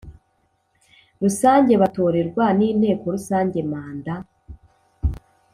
Rusange Batorerwa n Inteko Rusange manda